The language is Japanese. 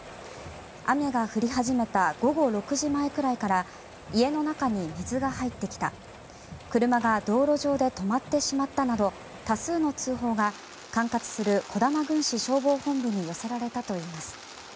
雨が降り始めた午後６時前くらいから家の中に水が入ってきた車が道路上で止まってしまったなど多数の通報が管轄する児玉郡市消防本部に寄せられたといいます。